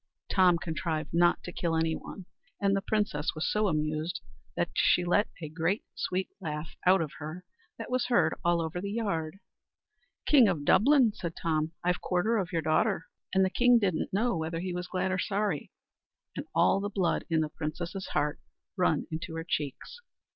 Tom contrived not to kill any one; and the princess was so amused, that she let a great sweet laugh out of her that was heard over all the yard. "King of Dublin," said Tom, "I've quarter of your daughter." And the king didn't know whether he was glad or sorry, and all the blood in the princess's heart run into her cheeks.